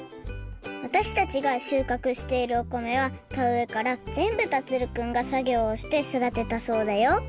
わたしたちがしゅうかくしているお米はたうえからぜんぶ樹くんがさぎょうをしてそだてたそうだよ。